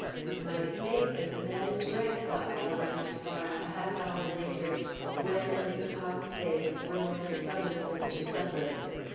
"My faith, but the man is right," thought Father Gaspara, a half hour later, when, with a calm face, Ramona summoned them to supper.